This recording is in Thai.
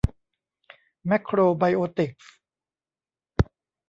แม็คโครไบโอติกส์